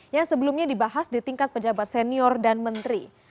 yang sebelumnya dibahas di tingkat pejabat senior dan menteri